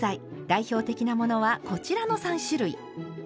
代表的なものはこちらの３種類。